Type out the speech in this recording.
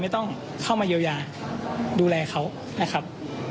ไม่ต้องเข้ามาเยียวยาดูแลเขานะครับ